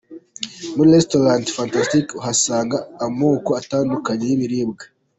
Muri Restaurent Fantastic uhasanga amoko atandukanye y'ibiribwa.